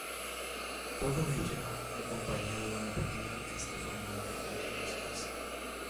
Todo ello acompañado de una pequeña orquesta formada por cuatro músicos.